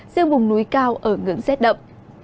riêng vùng núi cao ở ngưỡng rét đậm